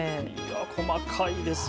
細かいですよ。